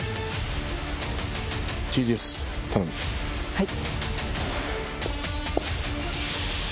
はい。